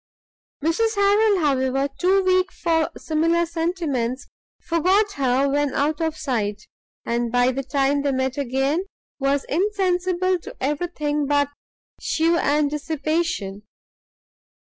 Mrs Harrel, however, too weak for similar sentiments, forgot her when out of sight, and by the time they met again, was insensible to everything but shew and dissipation.